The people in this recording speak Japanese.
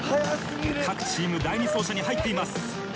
各チーム第２走者に入っています。